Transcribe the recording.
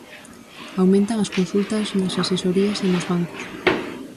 Aumentan as consultas nas asesoría e nos bancos.